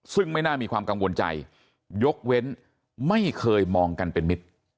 ซึ่งไม่น่ามีความกังวลใจยกเว้นไม่เคยมองกันเป็นมิตร